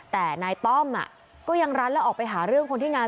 แต่นายต้อมก็ยังรัดแล้วออกไปหาเรื่องคนที่งาน